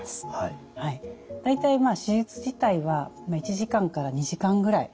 大体手術自体は１時間から２時間ぐらい。